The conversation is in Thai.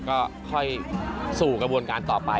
ก็ค่อยสู่กระบวนการต่อไป